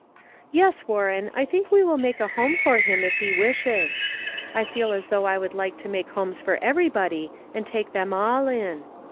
Yes, Warren, I think we will make a home for him if he wishes. I feel as though I would like to make homes for everybody and take them all in.